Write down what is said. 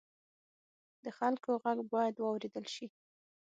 د خلکو غږ باید واورېدل شي.